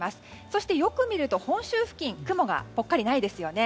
そしてよく見ると本州付近雲がぽっかりないですよね。